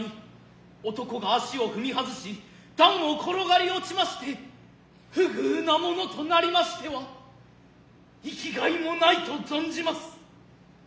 男が足を踏みはづし壇を転がり落ちまして不具なものとなりましては生効もないと存じます。